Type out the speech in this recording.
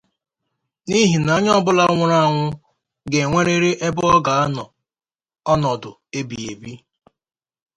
n'ihi na onye ọbụla nwụrụ anwụ ga-enwerịrị ebe ọ ga-anọ ọnọdụ ebighịebi